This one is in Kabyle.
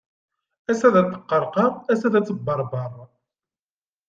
Ass ad teqqerqer, ass ad tebbeṛbeṛ.